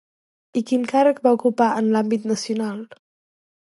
I quin càrrec va ocupar en l'àmbit nacional?